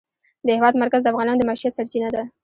د هېواد مرکز د افغانانو د معیشت سرچینه ده.